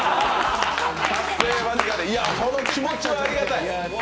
達成間近で、いや、この気持ちはありがたい。